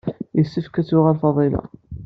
Yessefk ad d-tuɣal Faḍila.